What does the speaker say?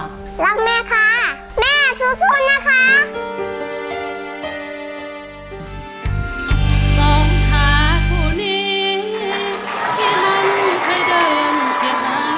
รักแม่ค่ะแม่สู้นะคะ